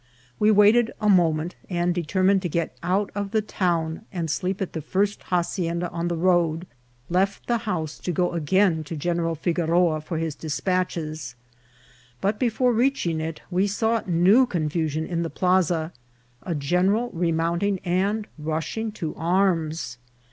We waited a moment, and, determined to get out of the town and sleep at the first hacienda on the road, left the house to go again to General Fi goroa for his despatches ; but before reaching it we saw new confusion in the plaza, a general remounting and rushing to arms.